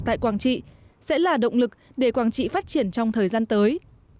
tại quảng trị sẽ là động lực để quảng trị phát triển trong thời gian tới